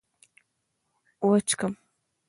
وچيښم